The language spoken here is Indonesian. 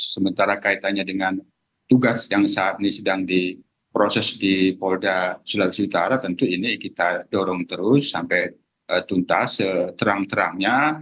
sementara kaitannya dengan tugas yang saat ini sedang diproses di polda sulawesi utara tentu ini kita dorong terus sampai tuntas terang terangnya